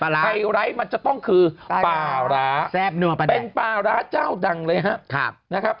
ใครไล่มันจะต้องคือปลาร้าเป็นปลาร้าเจ้าดังเลยครับ